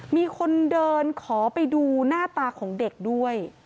มีคนเดินขอไปดูหน้าตาของเด็กด้วย